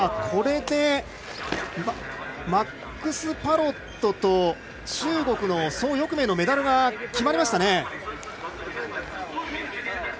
これでマックス・パロットと中国の蘇翊鳴のメダルが決まりましたね。